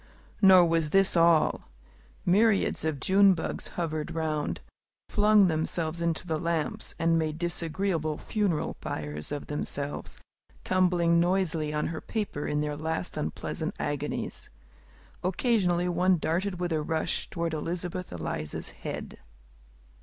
Nor was this all. Myriads of June bugs and millers hovered round, flung themselves into the lamps, and made disagreeable funeral pyres of themselves, tumbling noisily on her paper in their last unpleasant agonies. Occasionally one darted with a rush toward Elizabeth Eliza's head.